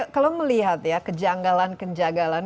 kalau melihat ya kejanggalan kejanggalan